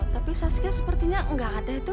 tapi saskia sepertinya enggak ada itu